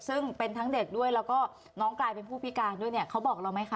ซึ่งเป็นทั้งเด็กด้วยแล้วก็น้องกลายเป็นผู้พิการด้วยเนี่ยเขาบอกเราไหมคะ